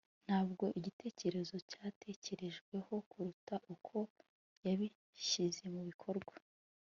ntabwo igitekerezo cyatekerejweho kuruta uko yabishyize mubikorwa